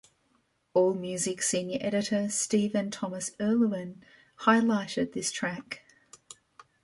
AllMusic senior editor Stephen Thomas Erlewine highlighted this track.